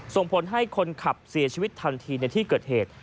ส่งผลให้คนขับเสียชีวิตทันทีในที่เกิดเหตุ